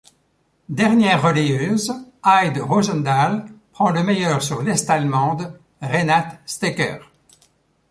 Dernière relayeuse, Heide Rosendahl prend le meilleur sur l'Est-allemande Renate Stecher.